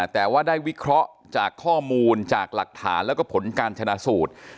แต่ว่าได้วิเคราะห์จากข้อมูลจากหลักฐานแล้วก็ผลการชนะสูตร